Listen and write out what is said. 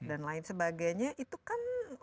dan lain sebagainya itu kan